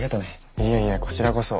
いえいえこちらこそ。